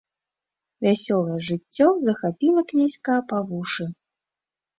Вясёлае жыццё захапіла князька па вушы.